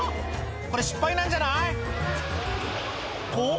これ失敗なんじゃない？と！